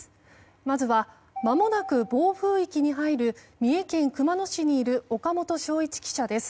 まずは、まもなく暴風域に入る三重県熊野市にいる岡本祥一記者です。